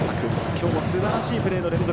今日もすばらしいプレーの連続